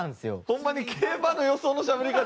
ホンマに競馬の予想のしゃべり方やって。